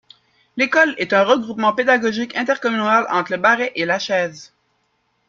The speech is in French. L'école est un regroupement pédagogique intercommunal entre Barret et Lachaise.